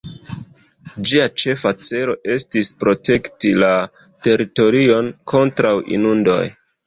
Ĝia ĉefa celo estis protekti la teritorion kontraŭ inundoj.